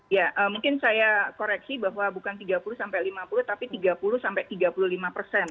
ya mungkin saya koreksi bahwa bukan tiga puluh sampai lima puluh tapi tiga puluh sampai tiga puluh lima persen